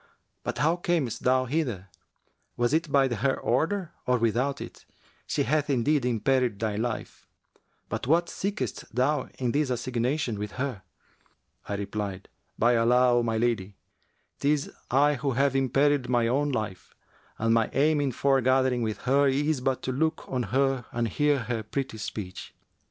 But how camest thou hither? Was it by her order or without it? She hath indeed imperilled thy life[FN#361]. But what seekest thou in this assignation with her?' I replied, 'By Allah, O my lady, 'tis I who have imperilled my own life, and my aim in foregathering with her is but to look on her and hear her pretty speech.'